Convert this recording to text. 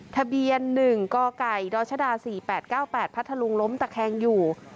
ทะเบียน๑กกดชด๔๘๙๘พัทธลุงล้มตะแคงอยู่